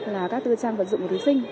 là các tư trang vật dụng của thí sinh